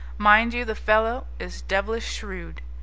Mind you, the fellow is devilish shrewd.